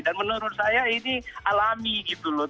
dan menurut saya ini alami gitu loh